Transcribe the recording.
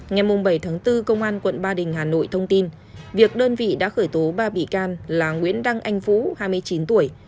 ngày bảy tháng bốn công an quận ba đình hà nội thông tin việc đơn vị đã khởi tố ba bị can là nguyễn đăng anh vũ hai mươi chín tuổi